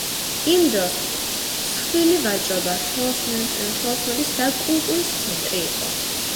იმ დროს მსხვილი ვაჭრობა-ხელოსნობის და კულტურის ცენტრი იყო.